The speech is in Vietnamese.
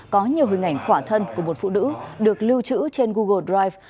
có nhiều hình ảnh quả thân của một phụ nữ được lưu trữ trên google drive